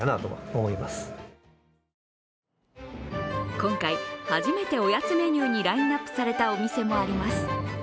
今回、初めておやつメニューにラインナップされたお店もあります。